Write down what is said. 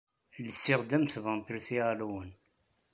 Lsiɣ-d am tvampirt i Halloween.